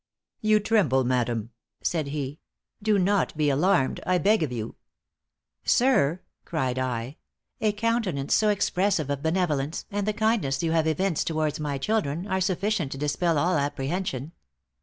"You tremble, madam," said he; "do not be alarmed, I beg of you." "Sir," cried I "a countenance so expressive of benevolence, and the kindness you have evinced towards my children, are sufficient to dispel all apprehension."